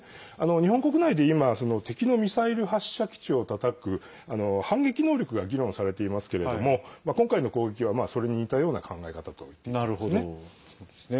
日本国内で今敵のミサイル発射基地をたたく反撃能力が議論されていますけれども今回の攻撃は、それに似たような考え方ということですね。